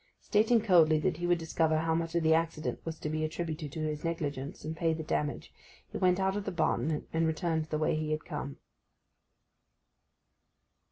Stating coldly that he would discover how much of the accident was to be attributed to his negligence, and pay the damage, he went out of the barton, and returned the way he had come.